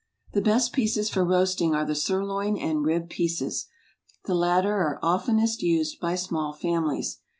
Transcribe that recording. The best pieces for roasting are the sirloin and rib pieces. The latter are oftenest used by small families.